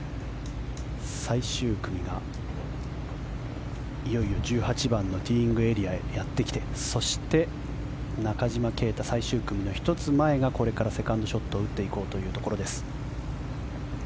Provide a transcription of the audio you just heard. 最終組がいよいよ、１８番のティーイングエリアへやってきてそして、中島啓太最終組の１つ前がこれからセカンドショットを打っていこうというところです。